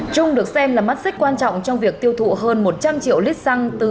trung được xem là mắt xích quan trọng trong việc tiêu thụ hơn một trăm linh triệu lít xăng ra thị trường